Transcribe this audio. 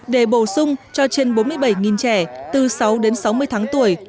để bổ sung cho trên bốn mươi bảy trẻ từ sáu đến sáu mươi tháng tuổi